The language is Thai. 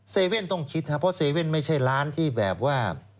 เว่นต้องคิดครับเพราะเซเว่นไม่ใช่ร้านที่แบบว่า